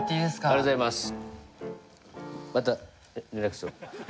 ありがとうございます。